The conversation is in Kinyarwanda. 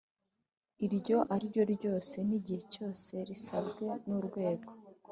iryo ari ryo ryose n igihe cyose risabwe n Urwego